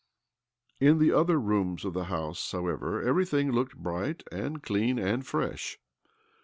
* In the other rooms of the house, however, everything looked bright and clean and fresh.